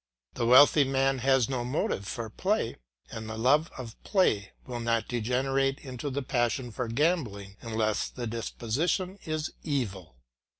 The wealthy man has no motive for play, and the love of play will not degenerate into the passion for gambling unless the disposition is evil.